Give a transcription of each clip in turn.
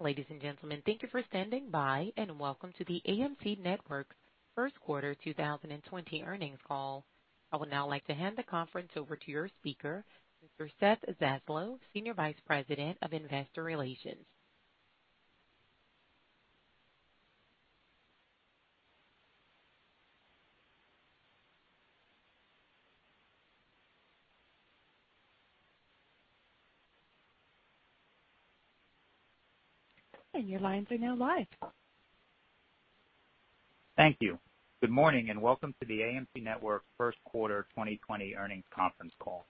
Ladies and gentlemen, thank you for standing by and welcome to the AMC Networks first quarter 2020 earnings call. I would now like to hand the conference over to your speaker, Mr. Seth Zaslow, Senior Vice President of Investor Relations. Your lines are now live. Thank you. Good morning and welcome to the AMC Networks first quarter 2020 earnings conference call.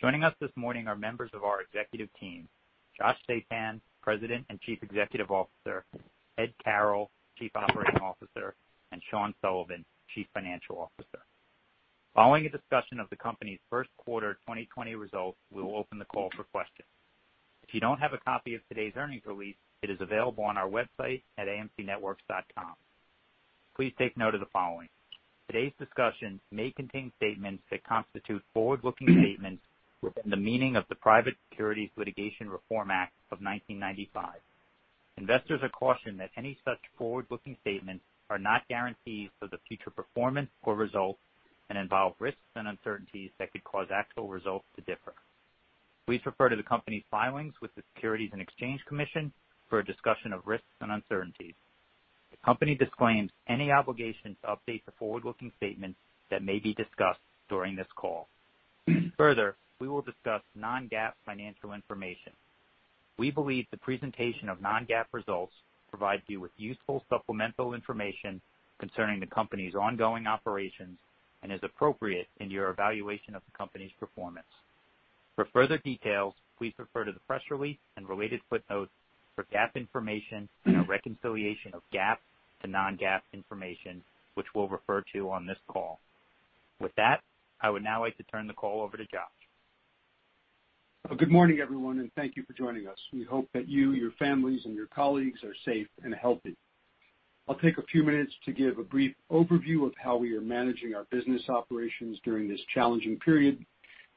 Joining us this morning are members of our executive team: Josh Sapan, President and Chief Executive Officer; Ed Carroll, Chief Operating Officer; and Sean Sullivan, Chief Financial Officer. Following a discussion of the company's first quarter 2020 results, we will open the call for questions. If you don't have a copy of today's earnings release, it is available on our website at AMCNetworks.com. Please take note of the following: today's discussion may contain statements that constitute forward-looking statements within the meaning of the Private Securities Litigation Reform Act of 1995. Investors are cautioned that any such forward-looking statements are not guarantees for the future performance or results and involve risks and uncertainties that could cause actual results to differ. Please refer to the company's filings with the Securities and Exchange Commission for a discussion of risks and uncertainties. The company disclaims any obligation to update the forward-looking statements that may be discussed during this call. Further, we will discuss non-GAAP financial information. We believe the presentation of non-GAAP results provides you with useful supplemental information concerning the company's ongoing operations and is appropriate in your evaluation of the company's performance. For further details, please refer to the press release and related footnotes for GAAP information and a reconciliation of GAAP to non-GAAP information, which we'll refer to on this call. With that, I would now like to turn the call over to Josh. Good morning, everyone, and thank you for joining us. We hope that you, your families, and your colleagues are safe and healthy. I'll take a few minutes to give a brief overview of how we are managing our business operations during this challenging period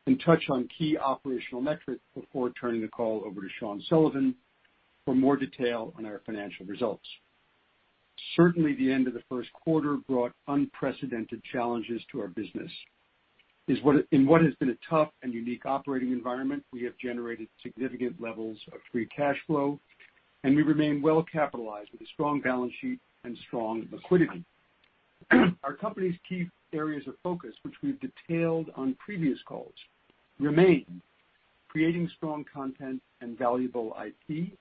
and touch on key operational metrics before turning the call over to Sean Sullivan for more detail on our financial results. Certainly, the end of the first quarter brought unprecedented challenges to our business. In what has been a tough and unique operating environment, we have generated significant levels of free cash flow, and we remain well capitalized with a strong balance sheet and strong liquidity. Our company's key areas of focus, which we've detailed on previous calls, remain creating strong content and valuable IP,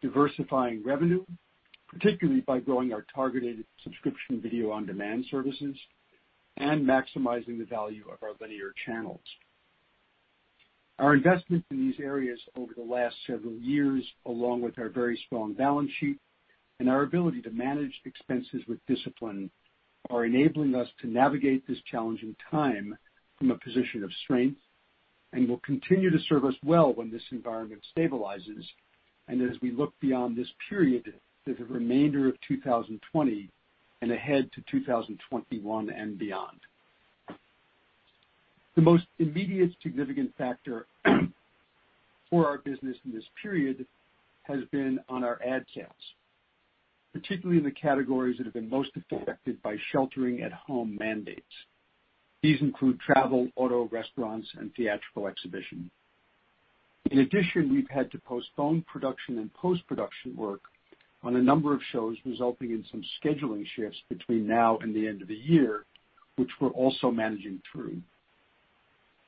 diversifying revenue, particularly by growing our targeted subscription video on-demand services, and maximizing the value of our linear channels. Our investments in these areas over the last several years, along with our very strong balance sheet and our ability to manage expenses with discipline, are enabling us to navigate this challenging time from a position of strength and will continue to serve us well when this environment stabilizes and as we look beyond this period to the remainder of 2020 and ahead to 2021 and beyond. The most immediate significant factor for our business in this period has been on our ad sales, particularly in the categories that have been most affected by sheltering-at-home mandates. These include travel, auto, restaurants, and theatrical exhibitions. In addition, we've had to postpone production and post-production work on a number of shows, resulting in some scheduling shifts between now and the end of the year, which we're also managing through.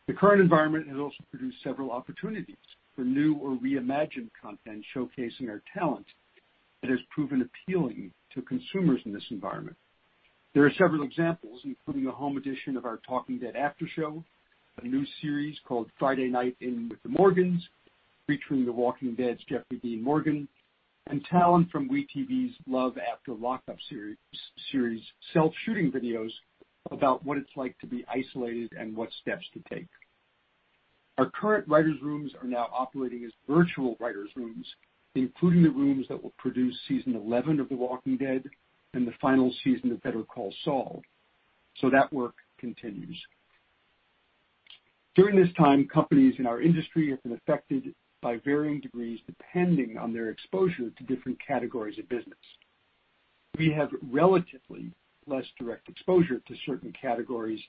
The current environment has also produced several opportunities for new or reimagined content showcasing our talent that has proven appealing to consumers in this environment. There are several examples, including a home edition of our Talking Dead aftershow, a new series called Friday Night In with the Morgans, featuring The Walking Dead's Jeffrey Dean Morgan, and talent from WE tv's Love After Lockup series self-shooting videos about what it's like to be isolated and what steps to take. Our current writers' rooms are now operating as virtual writers' rooms, including the rooms that will produce season 11 of The Walking Dead and the final season of Better Call Saul, so that work continues. During this time, companies in our industry have been affected by varying degrees depending on their exposure to different categories of business. We have relatively less direct exposure to certain categories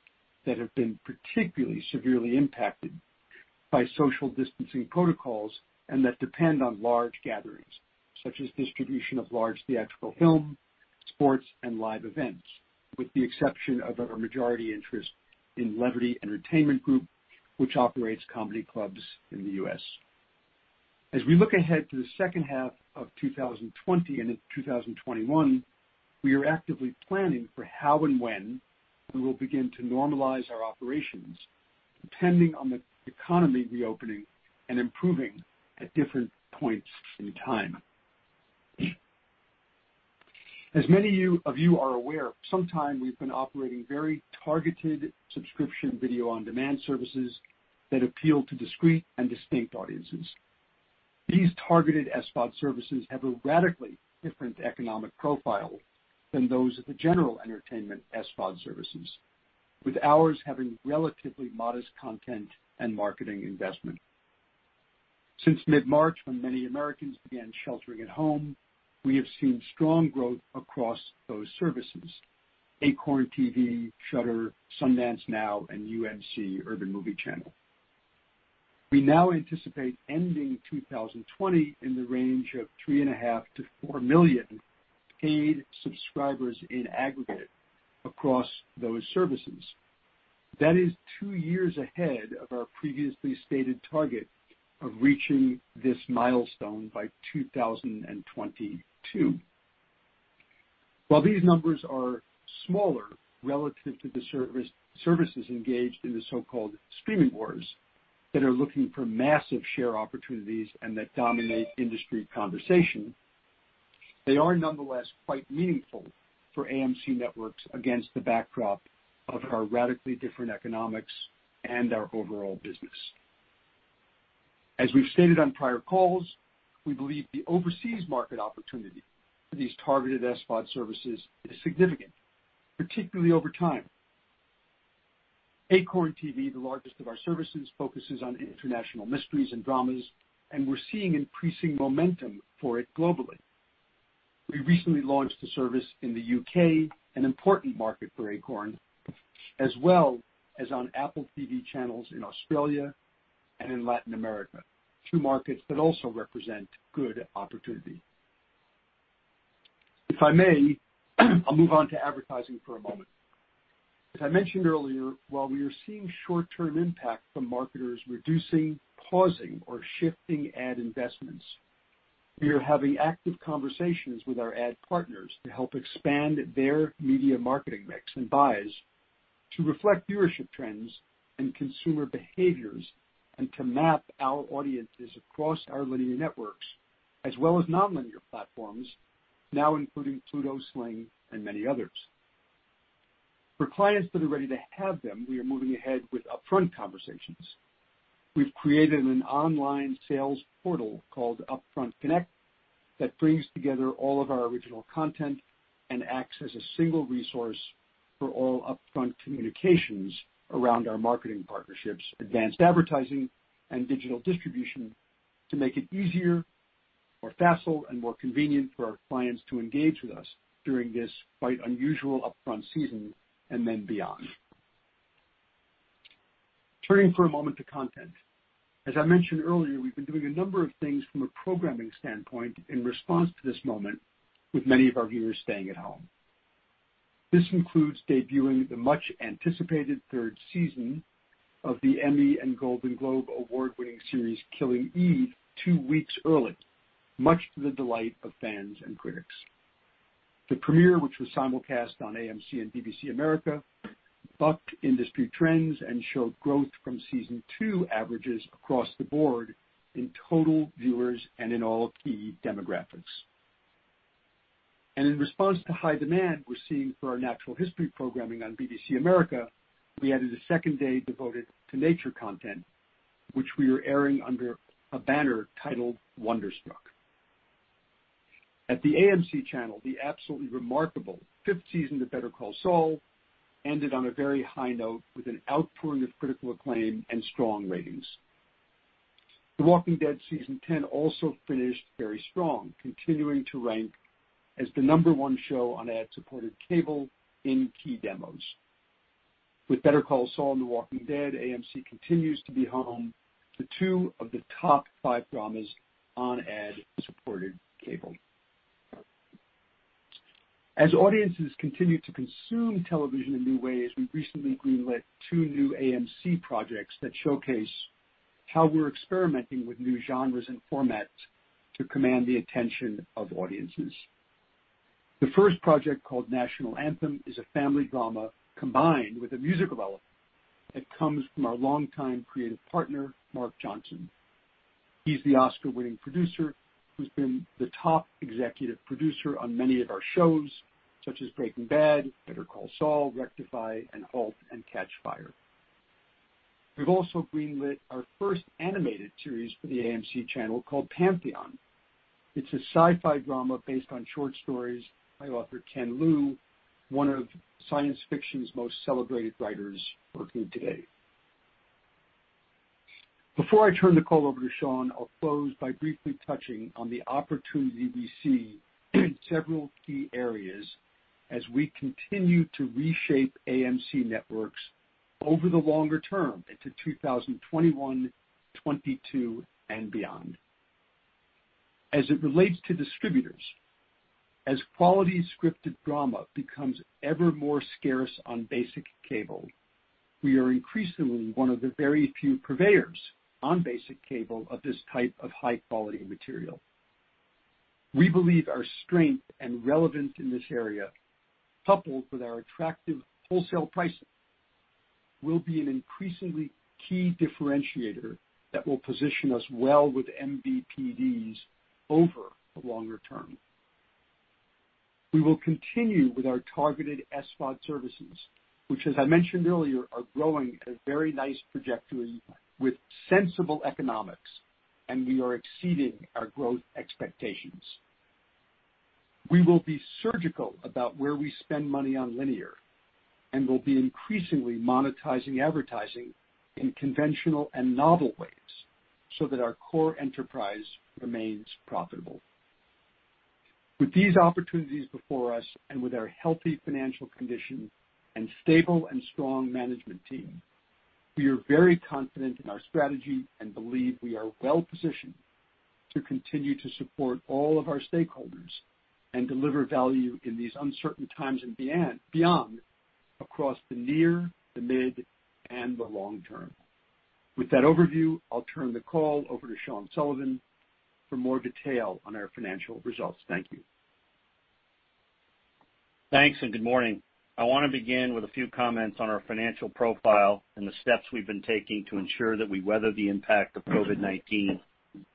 that have been particularly severely impacted by social distancing protocols and that depend on large gatherings, such as distribution of large theatrical film, sports, and live events, with the exception of our majority interest in Levity Entertainment Group, which operates comedy clubs in the U.S. As we look ahead to the second half of 2020 and into 2021, we are actively planning for how and when we will begin to normalize our operations, depending on the economy reopening and improving at different points in time. As many of you are aware, for some time we've been operating very targeted subscription video on-demand services that appeal to discrete and distinct audiences. These targeted SVOD services have a radically different economic profile than those of the general entertainment SVOD services, with ours having relatively modest content and marketing investment. Since mid-March, when many Americans began sheltering at home, we have seen strong growth across those services: Acorn TV, Shudder, Sundance Now, and UMC Urban Movie Channel. We now anticipate ending 2020 in the range of 3.5-4 million paid subscribers in aggregate across those services. That is two years ahead of our previously stated target of reaching this milestone by 2022. While these numbers are smaller relative to the services engaged in the so-called streaming wars that are looking for massive share opportunities and that dominate industry conversation, they are nonetheless quite meaningful for AMC Networks against the backdrop of our radically different economics and our overall business. As we've stated on prior calls, we believe the overseas market opportunity for these targeted SVOD services is significant, particularly over time. Acorn TV, the largest of our services, focuses on international mysteries and dramas, and we're seeing increasing momentum for it globally. We recently launched the service in the U.K., an important market for Acorn, as well as on Apple TV channels in Australia and in Latin America, two markets that also represent good opportunity. If I may, I'll move on to advertising for a moment. As I mentioned earlier, while we are seeing short-term impact from marketers reducing, pausing, or shifting ad investments, we are having active conversations with our ad partners to help expand their media marketing mix and bias to reflect viewership trends and consumer behaviors and to map our audiences across our linear networks as well as non-linear platforms, now including Pluto, Sling, and many others. For clients that are ready to have them, we are moving ahead with upfront conversations. We've created an online sales portal called Upfront Connect that brings together all of our original content and acts as a single resource for all upfront communications around our marketing partnerships, advanced advertising, and digital distribution to make it easier, more facile, and more convenient for our clients to engage with us during this quite unusual upfront season and then beyond. Turning for a moment to content. As I mentioned earlier, we've been doing a number of things from a programming standpoint in response to this moment, with many of our viewers staying at home. This includes debuting the much-anticipated third season of the Emmy and Golden Globe award-winning series Killing Eve, two weeks early, much to the delight of fans and critics. The premiere, which was simulcast on AMC and BBC America, bucked industry trends and showed growth from season two averages across the board in total viewers and in all key demographics, and in response to high demand we're seeing for our natural history programming on BBC America, we added a second day devoted to nature content, which we are airing under a banner titled Wonderstruck. At the AMC channel, the absolutely remarkable fifth season of Better Call Saul ended on a very high note with an outpouring of critical acclaim and strong ratings. The Walking Dead season 10 also finished very strong, continuing to rank as the number one show on ad-supported cable in key demos. With Better Call Saul and The Walking Dead, AMC continues to be home to two of the top five dramas on ad-supported cable. As audiences continue to consume television in new ways, we recently greenlit two new AMC projects that showcase how we're experimenting with new genres and formats to command the attention of audiences. The first project, called National Anthem, is a family drama combined with a musical element that comes from our longtime creative partner, Mark Johnson. He's the Oscar-winning producer who's been the top executive producer on many of our shows, such as Breaking Bad, Better Call Saul, Rectify, and Halt and Catch Fire. We've also greenlit our first animated series for the AMC channel called Pantheon. It's a sci-fi drama based on short stories by author Ken Liu, one of science fiction's most celebrated writers working today. Before I turn the call over to Sean, I'll close by briefly touching on the opportunity we see in several key areas as we continue to reshape AMC Networks over the longer term into 2021, 2022, and beyond. As it relates to distributors, as quality scripted drama becomes ever more scarce on basic cable, we are increasingly one of the very few purveyors on basic cable of this type of high-quality material. We believe our strength and relevance in this area, coupled with our attractive wholesale pricing, will be an increasingly key differentiator that will position us well with MVPDs over the longer term. We will continue with our targeted SVOD services, which, as I mentioned earlier, are growing at a very nice trajectory with sensible economics, and we are exceeding our growth expectations. We will be surgical about where we spend money on linear and will be increasingly monetizing advertising in conventional and novel ways so that our core enterprise remains profitable. With these opportunities before us and with our healthy financial condition and stable and strong management team, we are very confident in our strategy and believe we are well positioned to continue to support all of our stakeholders and deliver value in these uncertain times and beyond across the near, the mid, and the long term. With that overview, I'll turn the call over to Sean Sullivan for more detail on our financial results. Thank you. Thanks and good morning. I want to begin with a few comments on our financial profile and the steps we've been taking to ensure that we weather the impact of COVID-19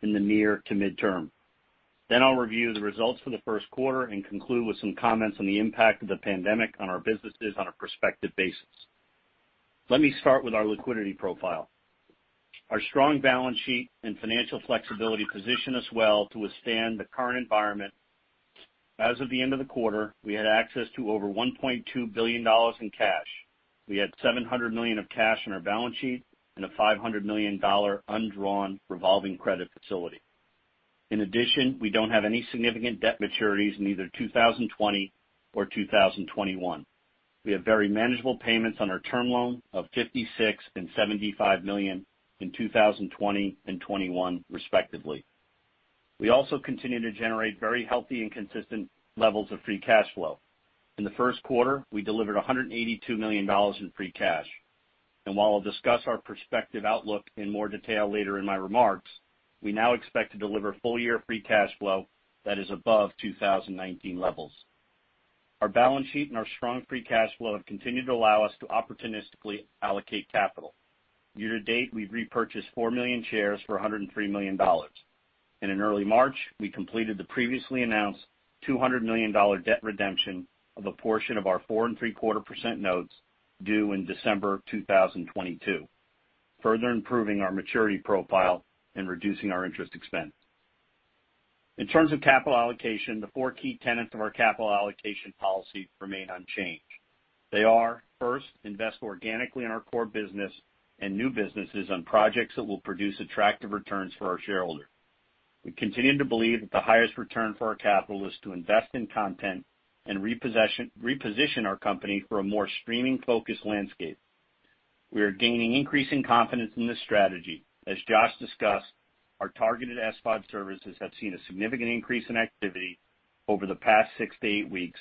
in the near to midterm. Then I'll review the results for the first quarter and conclude with some comments on the impact of the pandemic on our businesses on a prospective basis. Let me start with our liquidity profile. Our strong balance sheet and financial flexibility position us well to withstand the current environment. As of the end of the quarter, we had access to over $1.2 billion in cash. We had $700 million of cash on our balance sheet and a $500 million undrawn revolving credit facility. In addition, we don't have any significant debt maturities in either 2020 or 2021. We have very manageable payments on our term loan of $56 million and $75 million in 2020 and 2021, respectively. We also continue to generate very healthy and consistent levels of free cash flow. In the first quarter, we delivered $182 million in free cash. And while I'll discuss our prospective outlook in more detail later in my remarks, we now expect to deliver full-year free cash flow that is above 2019 levels. Our balance sheet and our strong free cash flow have continued to allow us to opportunistically allocate capital. Year to date, we've repurchased four million shares for $103 million. In early March, we completed the previously announced $200 million debt redemption of a portion of our 4.75% notes due in December 2022, further improving our maturity profile and reducing our interest expense. In terms of capital allocation, the four key tenets of our capital allocation policy remain unchanged. They are, first, invest organically in our core business and new businesses on projects that will produce attractive returns for our shareholders. We continue to believe that the highest return for our capital is to invest in content and reposition our company for a more streaming-focused landscape. We are gaining increasing confidence in this strategy. As Josh discussed, our targeted SVOD services have seen a significant increase in activity over the past six to eight weeks,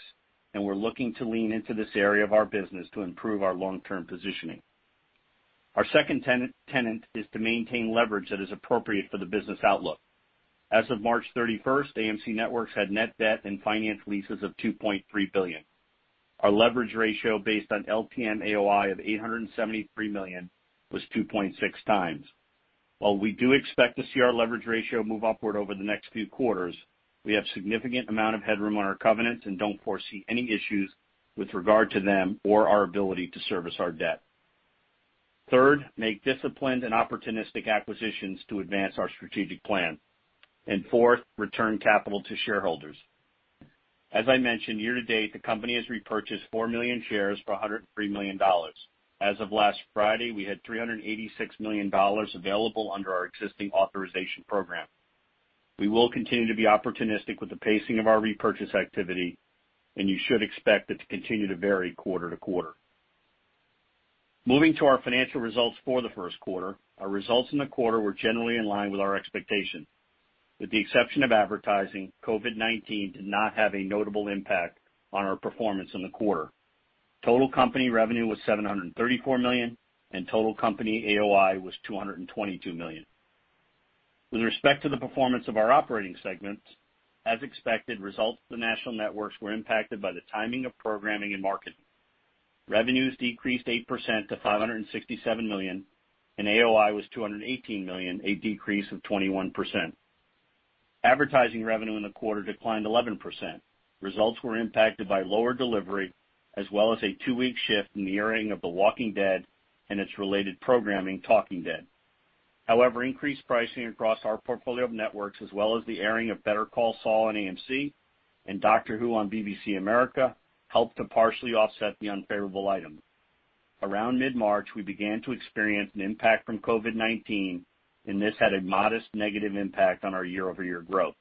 and we're looking to lean into this area of our business to improve our long-term positioning. Our second tenet is to maintain leverage that is appropriate for the business outlook. As of March 31st, AMC Networks had net debt and finance leases of $2.3 billion. Our leverage ratio based on LTM AOI of $873 million was 2.6 times. While we do expect to see our leverage ratio move upward over the next few quarters, we have a significant amount of headroom on our covenants and don't foresee any issues with regard to them or our ability to service our debt. Third, make disciplined and opportunistic acquisitions to advance our strategic plan. And fourth, return capital to shareholders. As I mentioned, year to date, the company has repurchased four million shares for $103 million. As of last Friday, we had $386 million available under our existing authorization program. We will continue to be opportunistic with the pacing of our repurchase activity, and you should expect it to continue to vary quarter to quarter. Moving to our financial results for the first quarter, our results in the quarter were generally in line with our expectations. With the exception of advertising, COVID-19 did not have a notable impact on our performance in the quarter. Total company revenue was $734 million, and total company AOI was $222 million. With respect to the performance of our operating segments, as expected, results for the national networks were impacted by the timing of programming and marketing. Revenues decreased 8% to $567 million, and AOI was $218 million, a decrease of 21%. Advertising revenue in the quarter declined 11%. Results were impacted by lower delivery as well as a two-week shift in the airing of The Walking Dead and its related programming, Talking Dead. However, increased pricing across our portfolio of networks as well as the airing of Better Call Saul on AMC and Doctor Who on BBC America helped to partially offset the unfavorable items. Around mid-March, we began to experience an impact from COVID-19, and this had a modest negative impact on our year-over-year growth.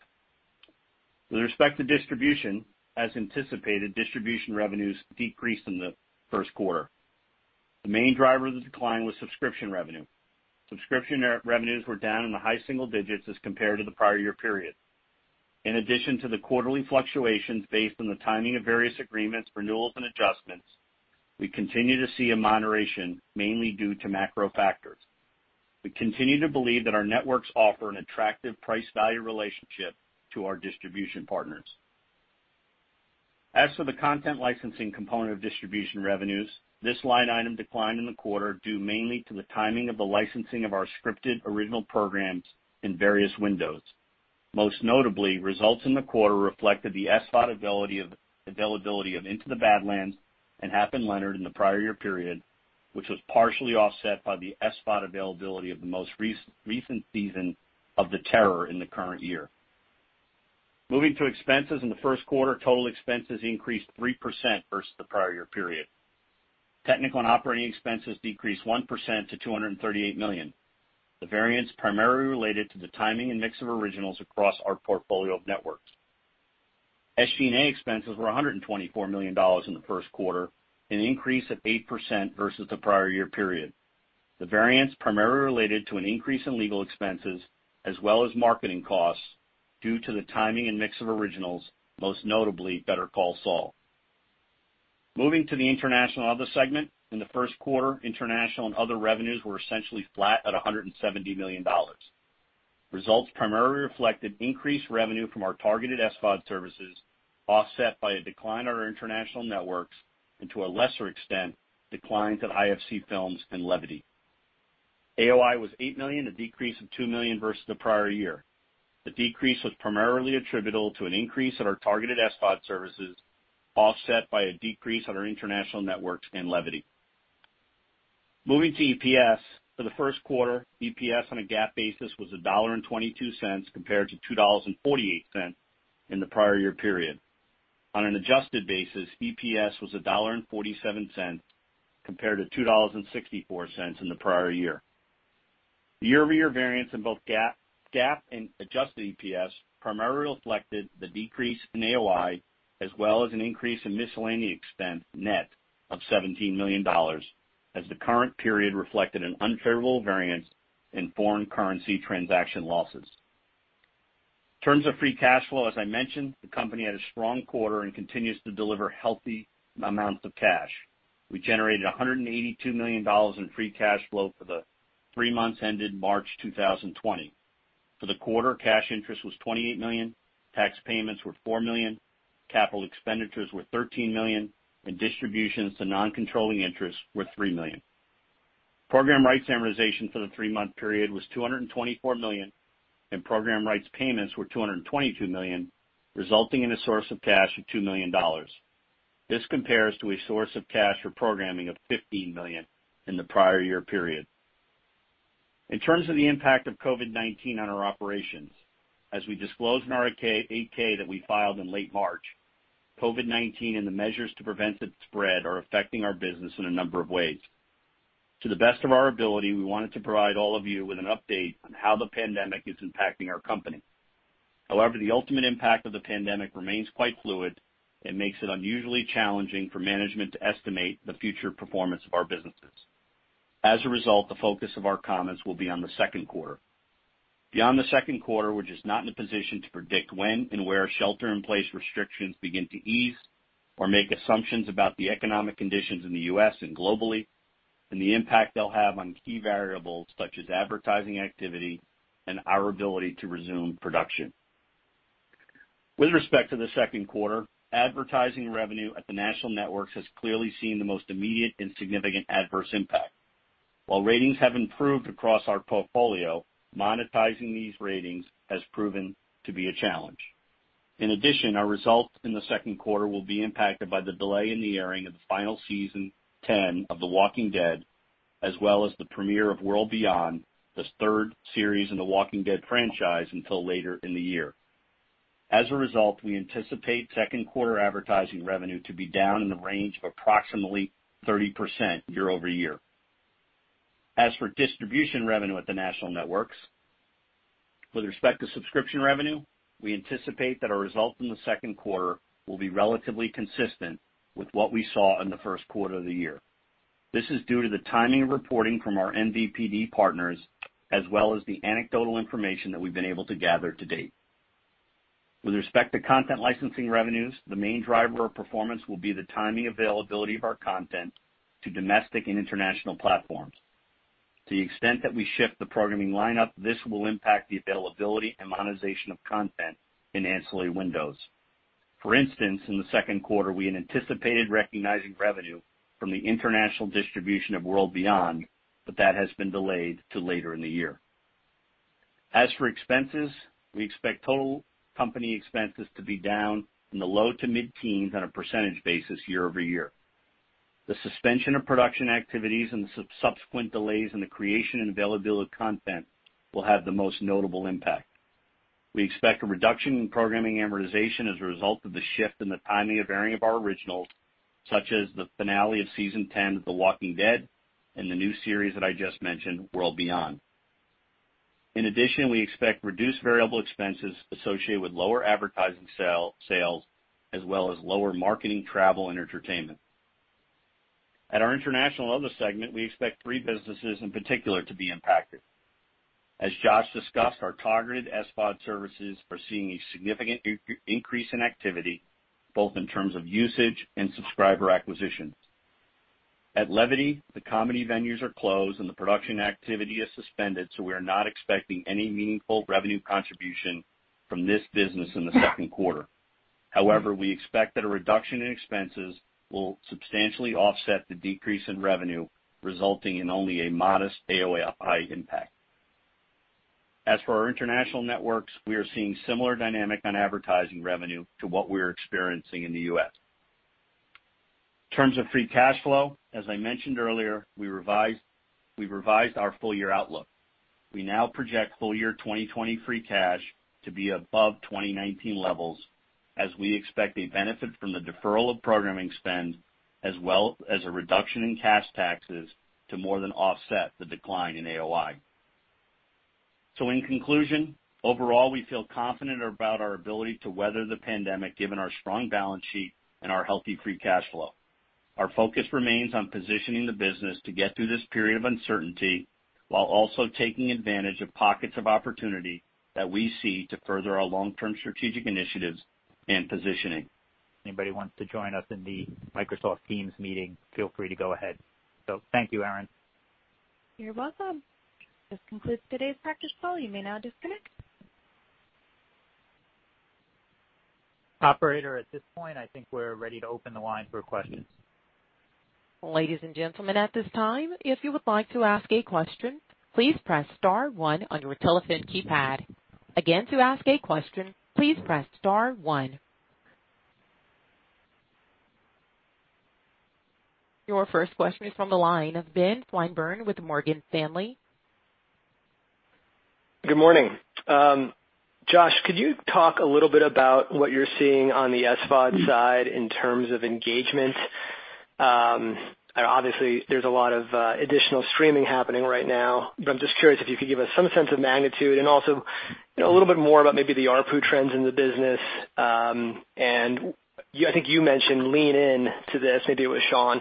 With respect to distribution, as anticipated, distribution revenues decreased in the first quarter. The main driver of the decline was subscription revenue. Subscription revenues were down in the high single digits as compared to the prior year period. In addition to the quarterly fluctuations based on the timing of various agreements, renewals, and adjustments, we continue to see a moderation mainly due to macro factors. We continue to believe that our networks offer an attractive price-value relationship to our distribution partners. As for the content licensing component of distribution revenues, this line item declined in the quarter due mainly to the timing of the licensing of our scripted original programs in various windows. Most notably, results in the quarter reflected the SVOD availability of Into the Badlands and Hap and Leonard in the prior year period, which was partially offset by the SVOD availability of the most recent season of The Terror in the current year. Moving to expenses in the first quarter, total expenses increased 3% versus the prior year period. Technical and operating expenses decreased 1% to $238 million. The variance primarily related to the timing and mix of originals across our portfolio of networks. SG&A expenses were $124 million in the first quarter, an increase of 8% versus the prior year period. The variance primarily related to an increase in legal expenses as well as marketing costs due to the timing and mix of originals, most notably Better Call Saul. Moving to the international other segment, in the first quarter, international and other revenues were essentially flat at $170 million. Results primarily reflected increased revenue from our targeted SVOD services, offset by a decline in our international networks and, to a lesser extent, declines in IFC Films and Levity. AOI was $8 million, a decrease of $2 million versus the prior year. The decrease was primarily attributable to an increase in our targeted SVOD services, offset by a decrease in our international networks and Levity. Moving to EPS, for the first quarter, EPS on a GAAP basis was $1.22 compared to $2.48 in the prior year period. On an adjusted basis, EPS was $1.47 compared to $2.64 in the prior year. Year-over-year variance in both GAAP and adjusted EPS primarily reflected the decrease in AOI as well as an increase in miscellaneous expense net of $17 million, as the current period reflected an unfavorable variance in foreign currency transaction losses. In terms of free cash flow, as I mentioned, the company had a strong quarter and continues to deliver healthy amounts of cash. We generated $182 million in free cash flow for the three months ended March 2020. For the quarter, cash interest was $28 million, tax payments were $4 million, capital expenditures were $13 million, and distributions to non-controlling interest were $3 million. Program rights amortization for the three-month period was $224 million, and program rights payments were $222 million, resulting in a source of cash of $2 million. This compares to a source of cash for programming of $15 million in the prior year period. In terms of the impact of COVID-19 on our operations, as we disclosed in our 8-K that we filed in late March, COVID-19 and the measures to prevent its spread are affecting our business in a number of ways. To the best of our ability, we wanted to provide all of you with an update on how the pandemic is impacting our company. However, the ultimate impact of the pandemic remains quite fluid and makes it unusually challenging for management to estimate the future performance of our businesses. As a result, the focus of our comments will be on the second quarter. Beyond the second quarter, we're just not in a position to predict when and where shelter-in-place restrictions begin to ease or make assumptions about the economic conditions in the U.S. and globally and the impact they'll have on key variables such as advertising activity and our ability to resume production. With respect to the second quarter, advertising revenue at the national networks has clearly seen the most immediate and significant adverse impact. While ratings have improved across our portfolio, monetizing these ratings has proven to be a challenge. In addition, our results in the second quarter will be impacted by the delay in the airing of the final season 10 of The Walking Dead as well as the premiere of World Beyond, the third series in the Walking Dead franchise, until later in the year. As a result, we anticipate second quarter advertising revenue to be down in the range of approximately 30% year-over-year. As for distribution revenue at the national networks, with respect to subscription revenue, we anticipate that our results in the second quarter will be relatively consistent with what we saw in the first quarter of the year. This is due to the timing of reporting from our MVPD partners as well as the anecdotal information that we've been able to gather to date. With respect to content licensing revenues, the main driver of performance will be the timing availability of our content to domestic and international platforms. To the extent that we shift the programming lineup, this will impact the availability and monetization of content in ancillary windows. For instance, in the second quarter, we anticipated recognizing revenue from the international distribution of World Beyond, but that has been delayed to later in the year. As for expenses, we expect total company expenses to be down in the low to mid-teens on a percentage basis year-over-year. The suspension of production activities and the subsequent delays in the creation and availability of content will have the most notable impact. We expect a reduction in programming amortization as a result of the shift in the timing of airing of our originals, such as the finale of season 10 of The Walking Dead and the new series that I just mentioned, World Beyond. In addition, we expect reduced variable expenses associated with lower advertising sales as well as lower marketing, travel, and entertainment. At our international other segment, we expect three businesses in particular to be impacted. As Josh discussed, our targeted SVOD services are seeing a significant increase in activity, both in terms of usage and subscriber acquisition. At Levity, the comedy venues are closed and the production activity is suspended, so we are not expecting any meaningful revenue contribution from this business in the second quarter. However, we expect that a reduction in expenses will substantially offset the decrease in revenue, resulting in only a modest AOI impact. As for our international networks, we are seeing a similar dynamic on advertising revenue to what we are experiencing in the U.S. In terms of free cash flow, as I mentioned earlier, we revised our full-year outlook. We now project full-year 2020 free cash to be above 2019 levels, as we expect a benefit from the deferral of programming spend as well as a reduction in cash taxes to more than offset the decline in AOI. So, in conclusion, overall, we feel confident about our ability to weather the pandemic given our strong balance sheet and our healthy free cash flow. Our focus remains on positioning the business to get through this period of uncertainty while also taking advantage of pockets of opportunity that we see to further our long-term strategic initiatives and positioning. Anybody want to join us in the Microsoft Teams meeting? Feel free to go ahead. So, thank you, Aaron. You're welcome. This concludes today's practice call. You may now disconnect. Operator, at this point, I think we're ready to open the line for questions. Ladies and gentlemen, at this time, if you would like to ask a question, please press star one on your telephone keypad. Again, to ask a question, please press star one. Your first question is from the line of Ben Swinburne with Morgan Stanley. Good morning. Josh, could you talk a little bit about what you're seeing on the SVOD side in terms of engagement? Obviously, there's a lot of additional streaming happening right now, but I'm just curious if you could give us some sense of magnitude and also a little bit more about maybe the ARPU trends in the business. And I think you mentioned lean-in to this. Maybe it was Sean.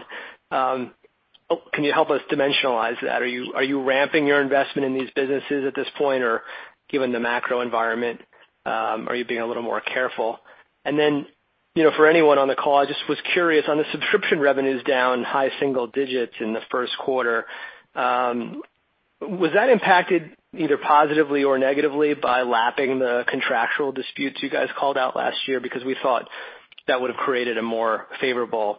Can you help us dimensionalize that? Are you ramping your investment in these businesses at this point, or given the macro environment, are you being a little more careful? And then, for anyone on the call, I just was curious, on the subscription revenues down high single digits in the first quarter, was that impacted either positively or negatively by lapping the contractual disputes you guys called out last year? Because we thought that would have created a more favorable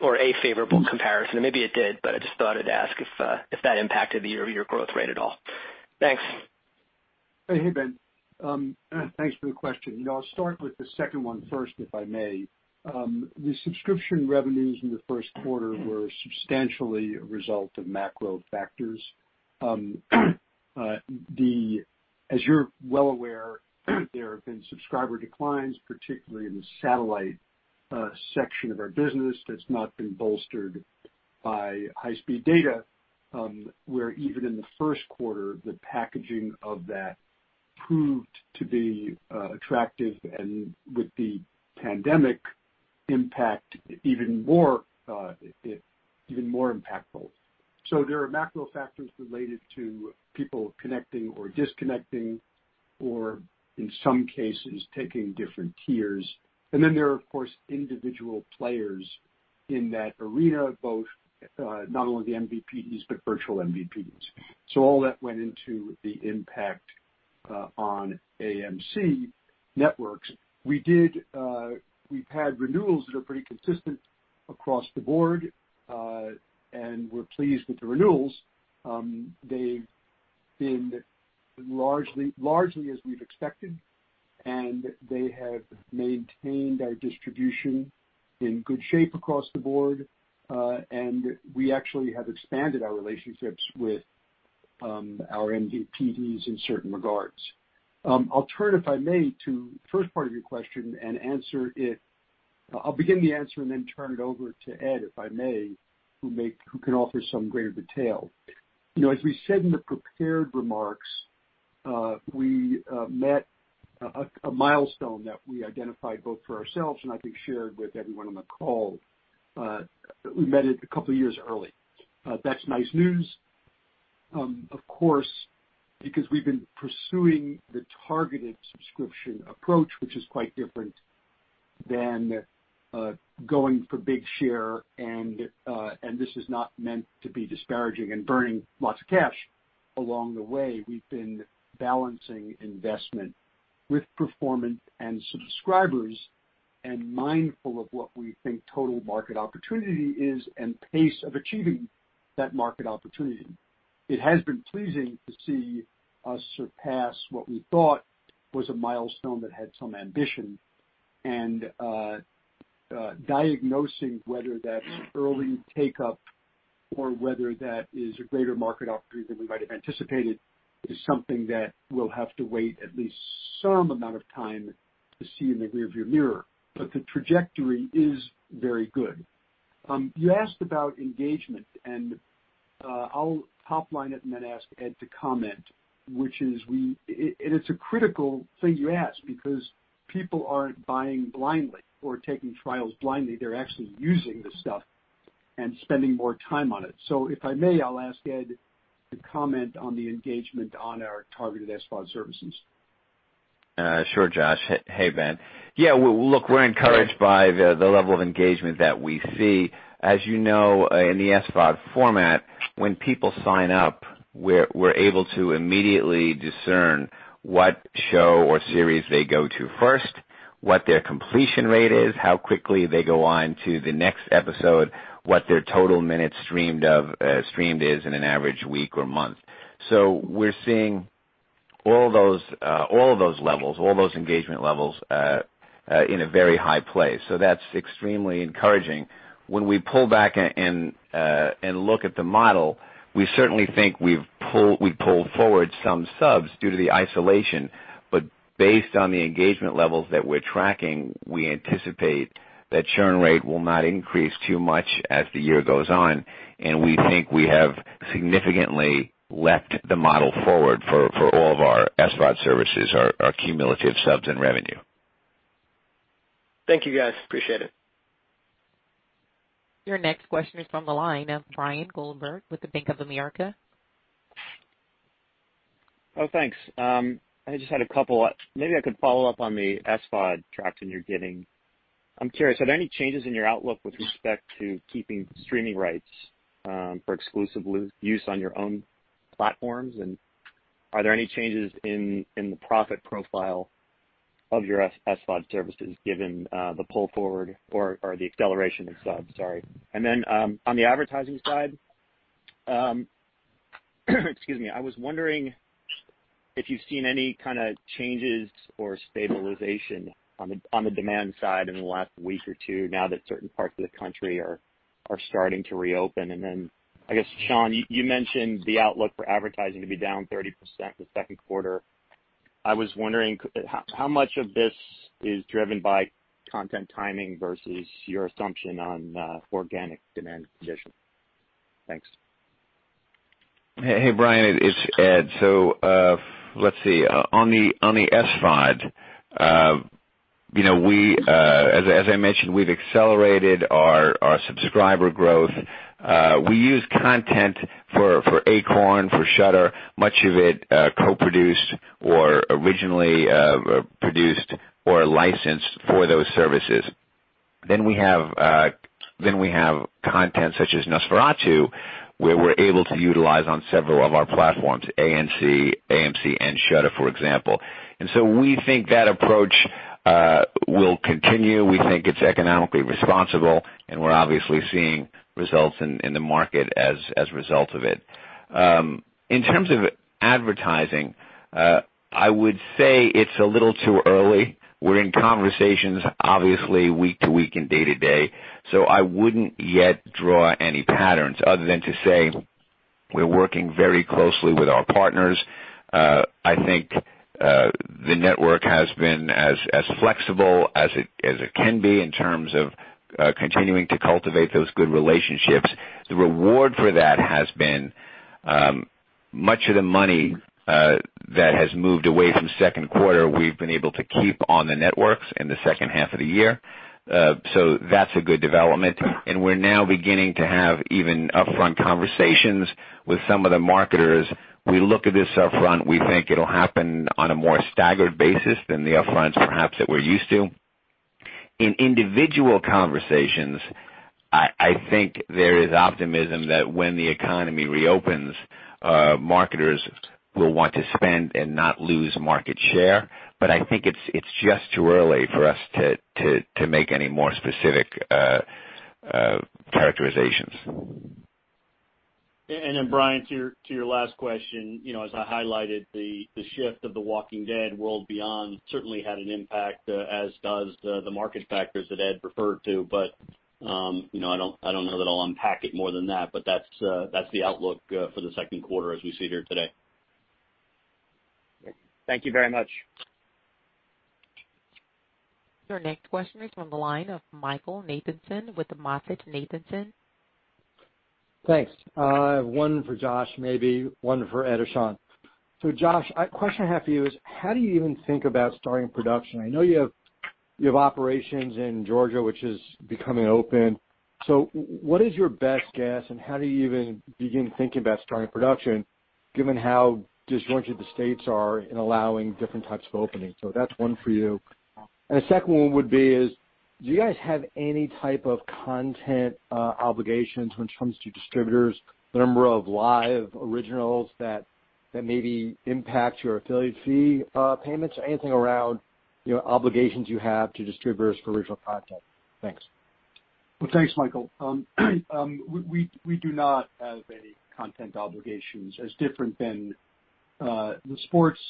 or a favorable comparison. Maybe it did, but I just thought I'd ask if that impacted your growth rate at all. Thanks. Hey, Ben. Thanks for the question. I'll start with the second one first, if I may. The subscription revenues in the first quarter were substantially a result of macro factors. As you're well aware, there have been subscriber declines, particularly in the satellite section of our business that's not been bolstered by high-speed data, where even in the first quarter, the packaging of that proved to be attractive and, with the pandemic impact, even more impactful. So, there are macro factors related to people connecting or disconnecting or, in some cases, taking different tiers. And then there are, of course, individual players in that arena, both not only the MVPDs but virtual MVPDs. So, all that went into the impact on AMC Networks. We've had renewals that are pretty consistent across the board, and we're pleased with the renewals. They've been largely as we've expected, and they have maintained our distribution in good shape across the board. And we actually have expanded our relationships with our MVPDs in certain regards. I'll turn, if I may, to the first part of your question and answer it. I'll begin the answer and then turn it over to Ed, if I may, who can offer some greater detail. As we said in the prepared remarks, we met a milestone that we identified both for ourselves and, I think, shared with everyone on the call. We met it a couple of years early. That's nice news, of course, because we've been pursuing the targeted subscription approach, which is quite different than going for big share. And this is not meant to be disparaging and burning lots of cash. Along the way, we've been balancing investment with performance and subscribers and mindful of what we think total market opportunity is and pace of achieving that market opportunity. It has been pleasing to see us surpass what we thought was a milestone that had some ambition. Diagnosing whether that's early take-up or whether that is a greater market opportunity than we might have anticipated is something that we'll have to wait at least some amount of time to see in the rearview mirror. The trajectory is very good. You asked about engagement, and I'll topline it and then ask Ed to comment, which is, and it's a critical thing you asked because people aren't buying blindly or taking trials blindly. They're actually using the stuff and spending more time on it. If I may, I'll ask Ed to comment on the engagement on our targeted SVOD services. Sure, Josh. Hey, Ben. Yeah, look, we're encouraged by the level of engagement that we see. As you know, in the SVOD format, when people sign up, we're able to immediately discern what show or series they go to first, what their completion rate is, how quickly they go on to the next episode, what their total minutes streamed is in an average week or month. So, we're seeing all those levels, all those engagement levels in a very high place. So, that's extremely encouraging. When we pull back and look at the model, we certainly think we've pulled forward some subs due to the isolation. But based on the engagement levels that we're tracking, we anticipate that churn rate will not increase too much as the year goes on. And we think we have significantly left the model forward for all of our SVOD services, our cumulative subs and revenue. Thank you, guys. Appreciate it. Your next question is from the line of Bryan Kraft with Deutsche Bank. Oh, thanks. I just had a couple. Maybe I could follow up on the SVOD traction you're getting. I'm curious, are there any changes in your outlook with respect to keeping streaming rights for exclusive use on your own platforms? And are there any changes in the profit profile of your SVOD services given the pull forward or the acceleration of subs? Sorry. And then on the advertising side, excuse me, I was wondering if you've seen any kind of changes or stabilization on the demand side in the last week or two now that certain parts of the country are starting to reopen. And then, I guess, Sean, you mentioned the outlook for advertising to be down 30% the second quarter. I was wondering how much of this is driven by content timing versus your assumption on organic demand conditions. Thanks. Hey, Brian. It's Ed, so let's see. On the SVOD, as I mentioned, we've accelerated our subscriber growth. We use content for Acorn, for Shudder, much of it co-produced or originally produced or licensed for those services. Then we have content such as NOS4A2, where we're able to utilize on several of our platforms, AMC and Shudder, for example. And so, we think that approach will continue. We think it's economically responsible, and we're obviously seeing results in the market as a result of it. In terms of advertising, I would say it's a little too early. We're in conversations, obviously, week to week and day to day, so I wouldn't yet draw any patterns other than to say we're working very closely with our partners. I think the network has been as flexible as it can be in terms of continuing to cultivate those good relationships. The reward for that has been much of the money that has moved away from second quarter, we've been able to keep on the networks in the second half of the year. So, that's a good development, and we're now beginning to have even upfront conversations with some of the marketers. We look at this upfront. We think it'll happen on a more staggered basis than the upfronts perhaps that we're used to. In individual conversations, I think there is optimism that when the economy reopens, marketers will want to spend and not lose market share, but I think it's just too early for us to make any more specific characterizations. And then, Brian, to your last question, as I highlighted, the shift of The Walking Dead: World Beyond certainly had an impact, as does the market factors that Ed referred to. But I don't know that I'll unpack it more than that, but that's the outlook for the second quarter as we sit here today. Thank you very much. Your next question is from the line of Michael Nathanson with MoffettNathanson. Thanks. One for Josh, maybe one for Ed or Sean. So, Josh, a question I have for you is, how do you even think about starting production? I know you have operations in Georgia, which is becoming open. So, what is your best guess, and how do you even begin thinking about starting production, given how disjointed the states are in allowing different types of openings? So, that's one for you. The second one would be, do you guys have any type of content obligations when it comes to distributors, the number of live originals that maybe impact your affiliate fee payments, or anything around obligations you have to distributors for original content? Thanks. Well, thanks, Michael. We do not have any content obligations as different than the sports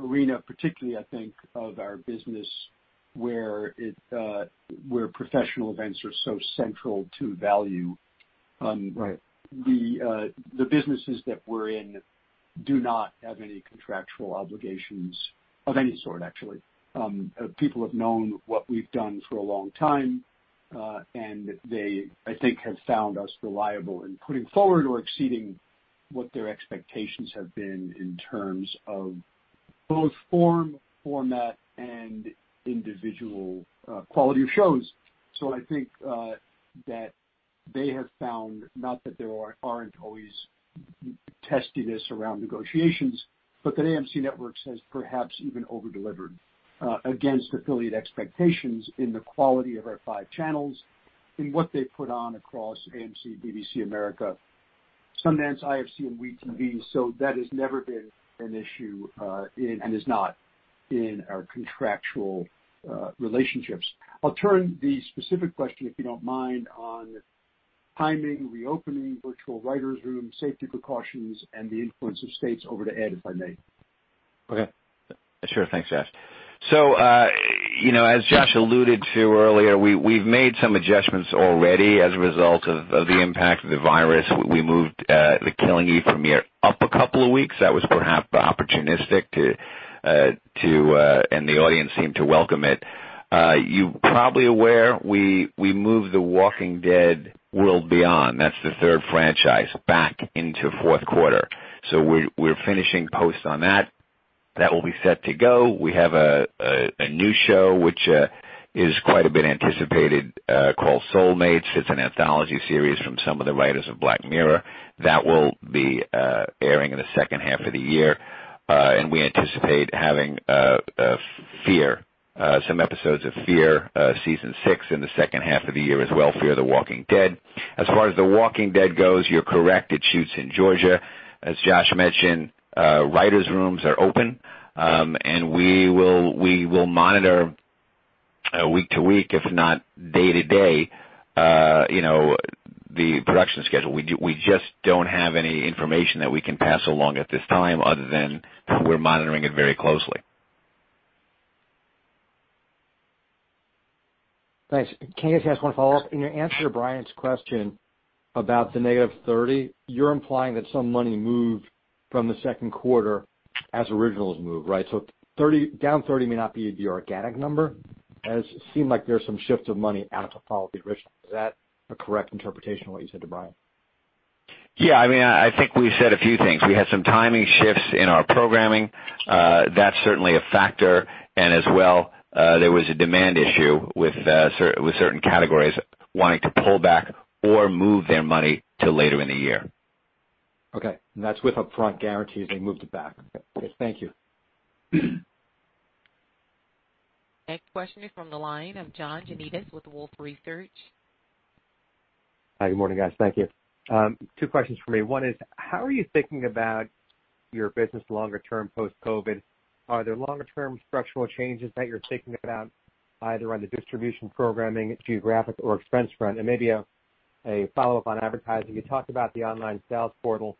arena, particularly, I think, of our business, where professional events are so central to value. The businesses that we're in do not have any contractual obligations of any sort, actually. People have known what we've done for a long time, and they, I think, have found us reliable in putting forward or exceeding what their expectations have been in terms of both form, format, and individual quality of shows. So, I think that they have found, not that there aren't always testiness around negotiations, but that AMC Networks has perhaps even overdelivered against affiliate expectations in the quality of our five channels and what they put on across AMC, BBC America, Sundance, IFC, and WE tv. So, that has never been an issue and is not in our contractual relationships. I'll turn the specific question, if you don't mind, on timing, reopening, virtual writers' room, safety precautions, and the influence of states over to Ed, if I may. Okay. Sure. Thanks, Josh. So, as Josh alluded to earlier, we've made some adjustments already as a result of the impact of the virus. We moved the Killing Eve from here up a couple of weeks. That was perhaps opportunistic, and the audience seemed to welcome it. You're probably aware, we moved The Walking Dead: World Beyond. That's the third franchise back into fourth quarter. We're finishing post on that. That will be set to go. We have a new show, which is quite a bit anticipated, called Soulmates. It's an anthology series from some of the writers of Black Mirror that will be airing in the second half of the year. We anticipate having Fear, some episodes of Fear, season six in the second half of the year as well, Fear the Walking Dead. As far as The Walking Dead goes, you're correct. It shoots in Georgia. As Josh mentioned, writers' rooms are open, and we will monitor week to week, if not day to day, the production schedule. We just don't have any information that we can pass along at this time other than we're monitoring it very closely. Thanks. Can I just ask one follow-up? In your answer to Brian's question about the negative 30, you're implying that some money moved from the second quarter as originals moved, right? So, down 30 may not be the organic number. It seemed like there's some shift of money out to follow the original. Is that a correct interpretation of what you said to Brian? Yeah. I mean, I think we said a few things. We had some timing shifts in our programming. That's certainly a factor. And as well, there was a demand issue with certain categories wanting to pull back or move their money to later in the year. Okay. And that's with upfront guarantees they moved it back. Thank you. Next question is from the line of John Janedis with Wolfe Research. Hi. Good morning, guys. Thank you. Two questions for me. One is, how are you thinking about your business longer term post-COVID? Are there longer term structural changes that you're thinking about either on the distribution programming, geographic, or expense front? And maybe a follow-up on advertising. You talked about the online sales portal.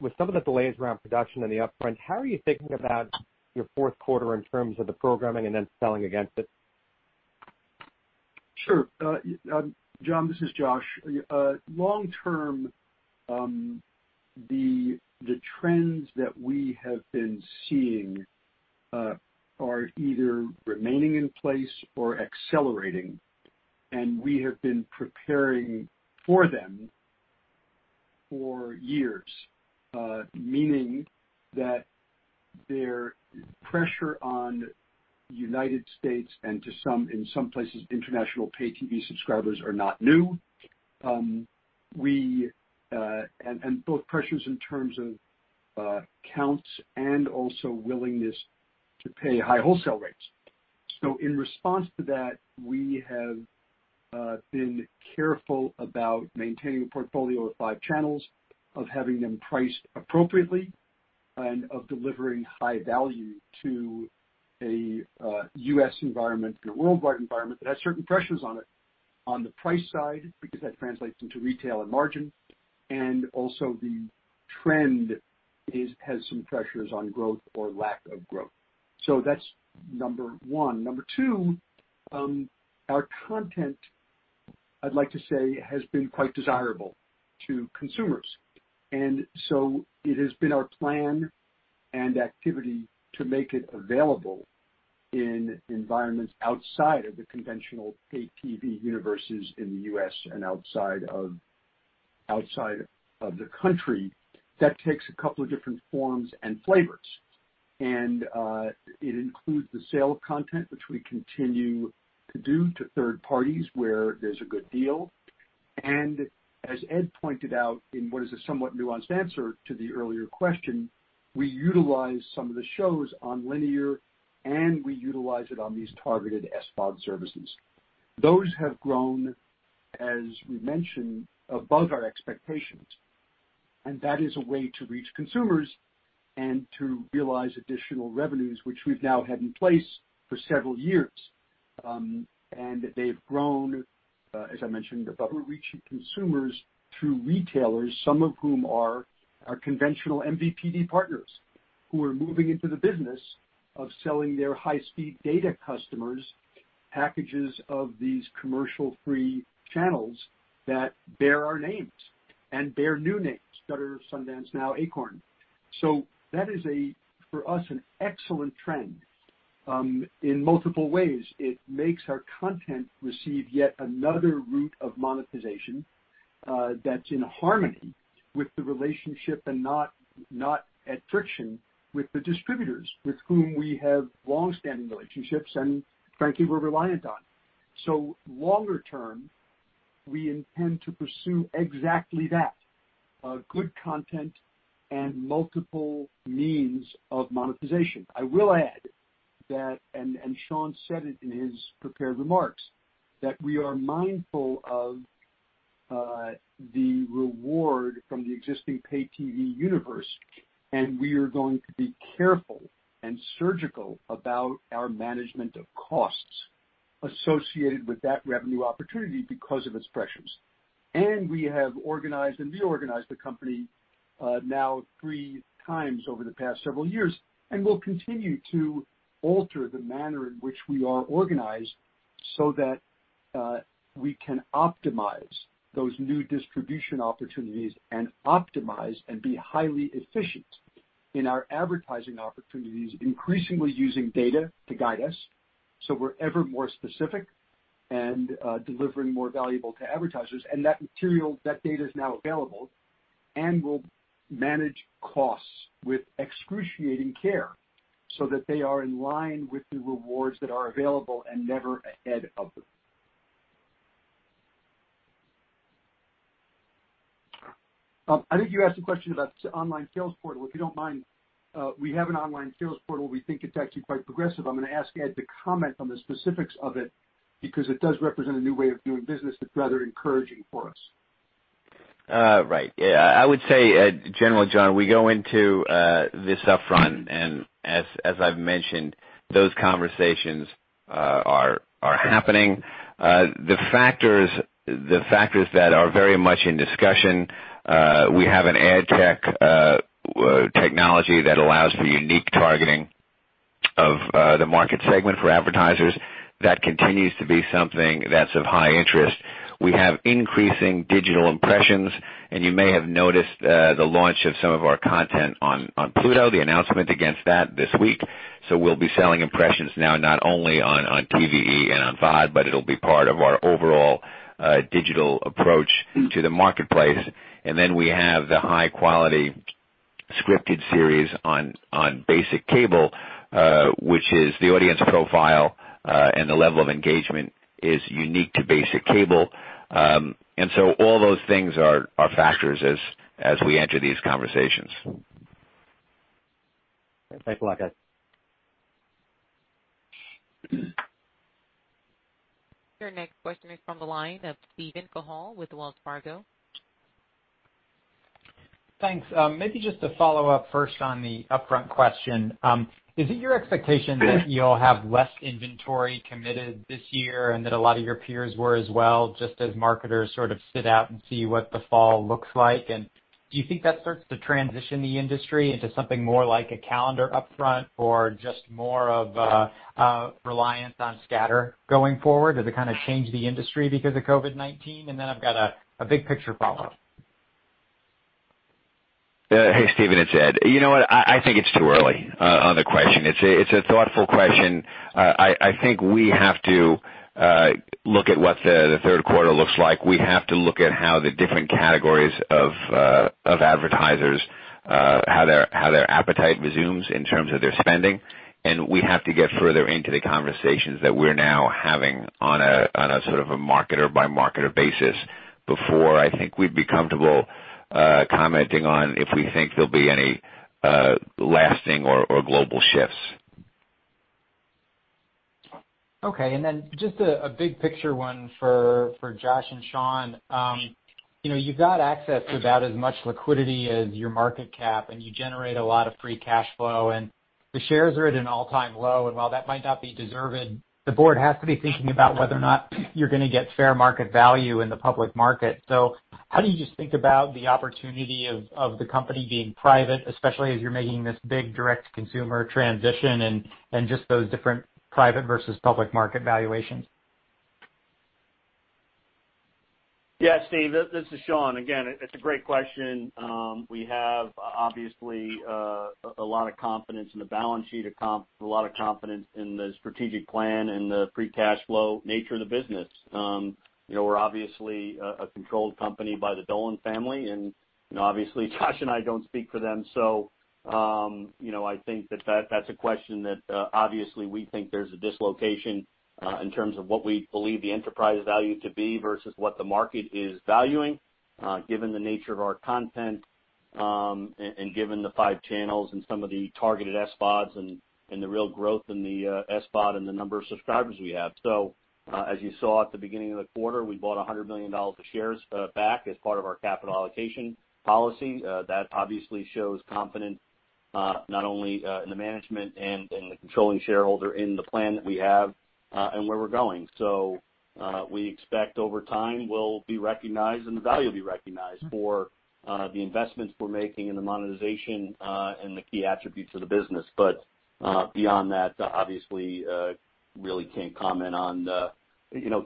With some of the delays around production and the upfront, how are you thinking about your fourth quarter in terms of the programming and then selling against it? Sure. John, this is Josh. Long term, the trends that we have been seeing are either remaining in place or accelerating. And we have been preparing for them for years, meaning that their pressure on United States and to some, in some places, international pay TV subscribers are not new. And both pressures in terms of counts and also willingness to pay high wholesale rates. So, in response to that, we have been careful about maintaining a portfolio of five channels, of having them priced appropriately, and of delivering high value to a U.S. environment and a worldwide environment that has certain pressures on it on the price side because that translates into retail and margin. And also, the trend has some pressures on growth or lack of growth. So, that's number one. Number two, our content, I'd like to say, has been quite desirable to consumers. And so, it has been our plan and activity to make it available in environments outside of the conventional pay TV universes in the U.S. and outside of the country. That takes a couple of different forms and flavors. And it includes the sale of content, which we continue to do to third parties where there's a good deal. As Ed pointed out in what is a somewhat nuanced answer to the earlier question, we utilize some of the shows on linear, and we utilize it on these targeted SVOD services. Those have grown, as we mentioned, above our expectations. That is a way to reach consumers and to realize additional revenues, which we've now had in place for several years. They've grown, as I mentioned, above reaching consumers through retailers, some of whom are our conventional MVPD partners who are moving into the business of selling their high-speed data customers packages of these commercial-free channels that bear our names and bear new names: Shudder, Sundance, now Acorn. That is, for us, an excellent trend in multiple ways. It makes our content receive yet another route of monetization that's in harmony with the relationship and not at friction with the distributors with whom we have long-standing relationships and, frankly, we're reliant on. So, longer term, we intend to pursue exactly that: good content and multiple means of monetization. I will add that, and Sean said it in his prepared remarks, that we are mindful of the reward from the existing pay TV universe, and we are going to be careful and surgical about our management of costs associated with that revenue opportunity because of its pressures. We have organized and reorganized the company now three times over the past several years and will continue to alter the manner in which we are organized so that we can optimize those new distribution opportunities and optimize and be highly efficient in our advertising opportunities, increasingly using data to guide us. We're ever more specific and delivering more valuable to advertisers. That data is now available and will manage costs with excruciating care so that they are in line with the rewards that are available and never ahead of them. I think you asked a question about the online sales portal. If you don't mind, we have an online sales portal. We think it's actually quite progressive. I'm going to ask Ed to comment on the specifics of it because it does represent a new way of doing business that's rather encouraging for us. Right. Yeah. I would say, generally, John, we go into this upfront, and as I've mentioned, those conversations are happening. The factors that are very much in discussion, we have an ad tech technology that allows for unique targeting of the market segment for advertisers. That continues to be something that's of high interest. We have increasing digital impressions, and you may have noticed the launch of some of our content on Pluto, the announcement about that this week, so we'll be selling impressions now not only on TVE and on VOD, but it'll be part of our overall digital approach to the marketplace, and then we have the high-quality scripted series on basic cable, which is the audience profile, and the level of engagement is unique to basic cable, and so all those things are factors as we enter these conversations. Thanks, Michael. Your next question is from the line of Steven Cahall with Wells Fargo. Thanks. Maybe just to follow up first on the upfront question, is it your expectation that you'll have less inventory committed this year and that a lot of your peers were as well, just as marketers sort of sit out and see what the fall looks like? And do you think that starts to transition the industry into something more like a calendar upfront or just more of a reliance on scatter going forward? Does it kind of change the industry because of COVID-19? And then I've got a big picture follow-up. Hey, Steven, it's Ed. You know what? I think it's too early on the question. It's a thoughtful question. I think we have to look at what the third quarter looks like. We have to look at how the different categories of advertisers, how their appetite resumes in terms of their spending, and we have to get further into the conversations that we're now having on a sort of a marketer-by-marketer basis before I think we'd be comfortable commenting on if we think there'll be any lasting or global shifts. Okay, and then just a big picture one for Josh and Sean. You've got access to about as much liquidity as your market cap, and you generate a lot of free cash flow, and the shares are at an all-time low, while that might not be deserved, the board has to be thinking about whether or not you're going to get fair market value in the public market. So, how do you just think about the opportunity of the company being private, especially as you're making this big direct-to-consumer transition and just those different private versus public market valuations? Yeah, Steve, this is Sean. Again, it's a great question. We have obviously a lot of confidence in the balance sheet account, a lot of confidence in the strategic plan and the free cash flow nature of the business. We're obviously a controlled company by the Dolan family. And obviously, Josh and I don't speak for them. So, I think that that's a question that obviously we think there's a dislocation in terms of what we believe the enterprise value to be versus what the market is valuing, given the nature of our content and given the five channels and some of the targeted SVODs and the real growth in the SVOD and the number of subscribers we have. So, as you saw at the beginning of the quarter, we bought $100 million of shares back as part of our capital allocation policy. That obviously shows confidence not only in the management and the controlling shareholder in the plan that we have and where we're going. So, we expect over time we'll be recognized and the value will be recognized for the investments we're making and the monetization and the key attributes of the business. But beyond that, obviously, really can't comment on the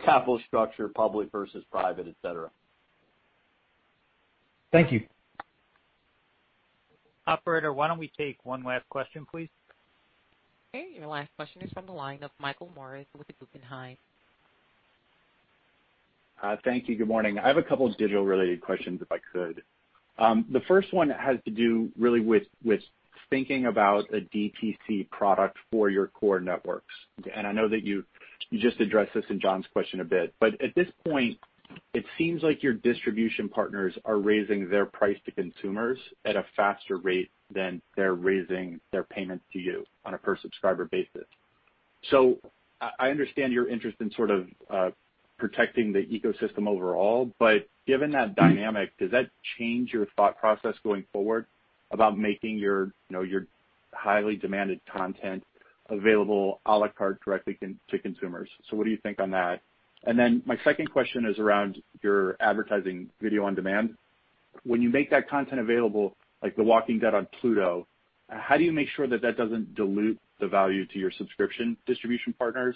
capital structure, public versus private, etc. Thank you. Operator, why don't we take one last question, please? Okay. Your last question is from the line of Michael Morris with the Guggenheim. Thank you. Good morning. I have a couple of digital-related questions if I could. The first one has to do really with thinking about a DTC product for your core networks. I know that you just addressed this in John's question a bit. At this point, it seems like your distribution partners are raising their price to consumers at a faster rate than they're raising their payments to you on a per-subscriber basis. I understand your interest in sort of protecting the ecosystem overall. Given that dynamic, does that change your thought process going forward about making your highly demanded content available à la carte directly to consumers? What do you think on that? My second question is around your advertising video on demand. When you make that content available, like The Walking Dead on Pluto, how do you make sure that that doesn't dilute the value to your subscription distribution partners?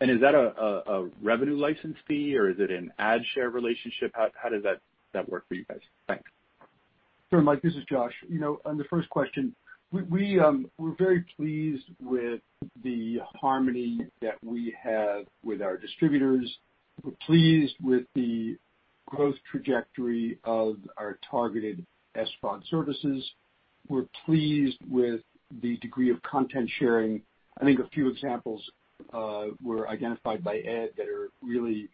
Is that a revenue license fee, or is it an ad share relationship? How does that work for you guys? Thanks. Sure. Mike, this is Josh. On the first question, we're very pleased with the harmony that we have with our distributors. We're pleased with the growth trajectory of our targeted SVOD services. We're pleased with the degree of content sharing. I think a few examples were identified by Ed that are really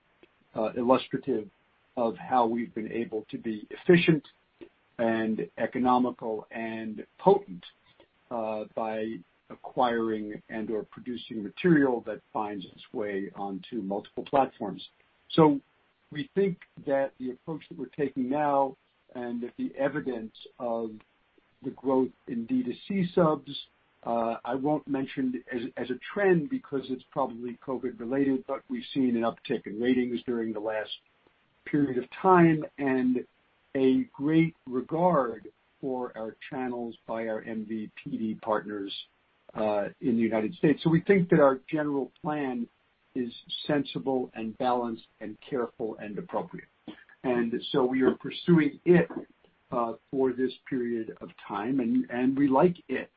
illustrative of how we've been able to be efficient and economical and potent by acquiring and/or producing material that finds its way onto multiple platforms. So, we think that the approach that we're taking now and the evidence of the growth in DTC subs, I won't mention as a trend because it's probably COVID-related, but we've seen an uptick in ratings during the last period of time and a great regard for our channels by our MVPD partners in the United States. So, we think that our general plan is sensible and balanced and careful and appropriate. And so, we are pursuing it for this period of time. And we like it.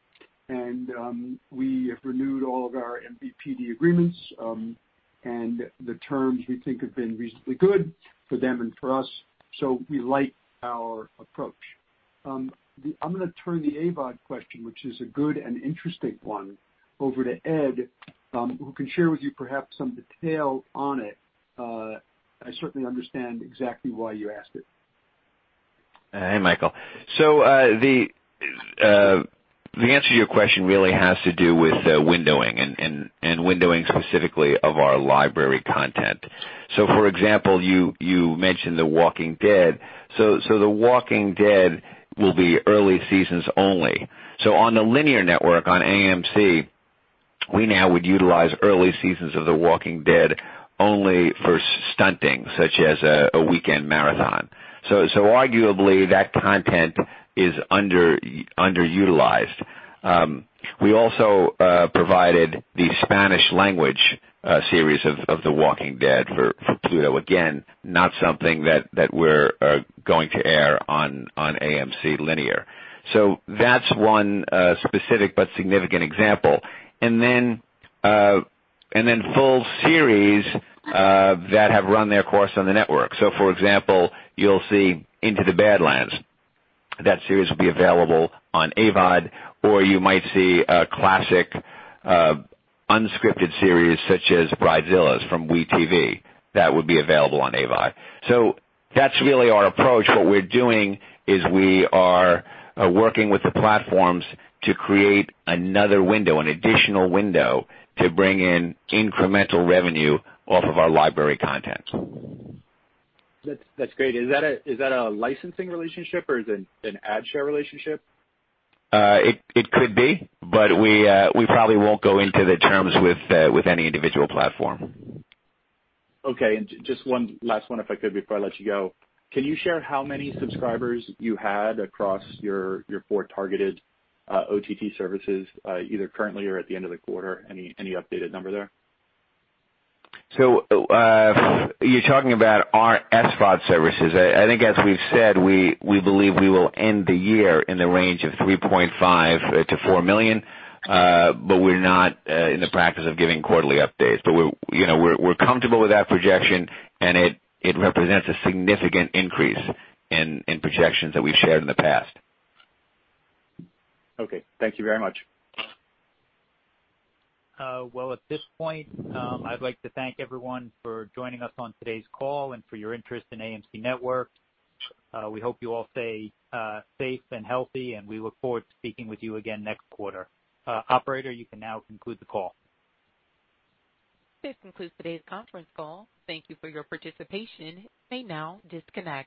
And we have renewed all of our MVPD agreements. And the terms we think have been reasonably good for them and for us. So, we like our approach. I'm going to turn the AVOD question, which is a good and interesting one, over to Ed, who can share with you perhaps some detail on it. I certainly understand exactly why you asked it. Hey, Michael. So, the answer to your question really has to do with windowing and windowing specifically of our library content. So, for example, you mentioned The Walking Dead. So, The Walking Dead will be early seasons only. So, on the linear network on AMC, we now would utilize early seasons of The Walking Dead only for stunting, such as a weekend marathon. So, arguably, that content is underutilized. We also provided the Spanish-language series of The Walking Dead for Pluto. Again, not something that we're going to air on AMC linear. So, that's one specific but significant example. And then full series that have run their course on the network. So, for example, you'll see Into the Badlands. That series will be available on AVOD. Or you might see a classic unscripted series such as Bridezillas from WE tv that would be available on AVOD. So, that's really our approach. What we're doing is we are working with the platforms to create another window, an additional window to bring in incremental revenue off of our library content. That's great. Is that a licensing relationship, or is it an ad share relationship? It could be, but we probably won't go into the terms with any individual platform. Okay. And just one last one, if I could, before I let you go. Can you share how many subscribers you had across your four targeted OTT services, either currently or at the end of the quarter? Any updated number there? So, you're talking about our SVOD services. I think, as we've said, we believe we will end the year in the range of 3.5-4 million. But we're not in the practice of giving quarterly updates. But we're comfortable with that projection, and it represents a significant increase in projections that we've shared in the past. Okay. Thank you very much. Well, at this point, I'd like to thank everyone for joining us on today's call and for your interest in AMC Networks. We hope you all stay safe and healthy, and we look forward to speaking with you again next quarter. Operator, you can now conclude the call. This concludes today's conference call. Thank you for your participation. You may now disconnect.